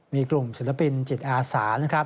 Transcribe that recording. มีกลุ่มศิลปินจิตอาสานะครับ